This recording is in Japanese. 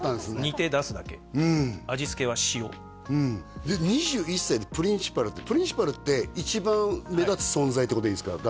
煮て出すだけ味付けは塩２１歳でプリンシパルプリンシパルって一番目立つ存在ってことでいいですか？